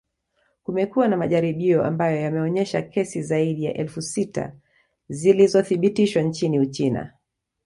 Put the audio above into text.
Kumekuwa na majaribio ambayo yameonyesha kesi zaidi ya elfu sita zilizothibitishwa nchini Uchina